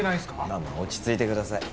まあまあ落ち着いてください。